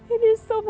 ini semua salah aku